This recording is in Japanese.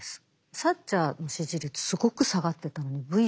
サッチャーの支持率すごく下がってたのにＶ字回復。